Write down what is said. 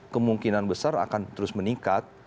kemungkinan besar akan terus meningkat